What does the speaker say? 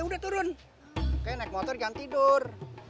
udah turun kayaknya naik motor jangan tidur